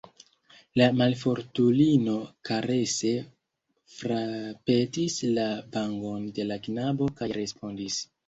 La malfortulino karese frapetis la vangon de la knabo kaj respondis: